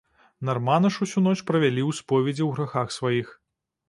Нарманы ж усю ноч правялі ў споведзі ў грахах сваіх.